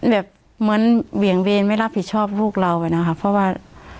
แบบเหมือนเหวี่ยงเวรไม่รับผิดชอบลูกเราอะนะคะเพราะว่า